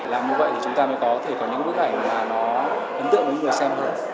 làm như vậy thì chúng ta mới có thể có những bức ảnh mà nó ấn tượng với những người xem hơn